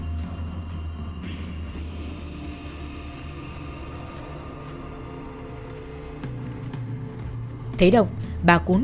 đại đã dùng chân tủ gỗ này đập nhiêu nhát vào đầu bà cún rồi để bà cún lên giường